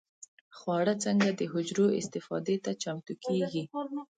خواړه څنګه د حجرو استفادې ته چمتو کېږي؟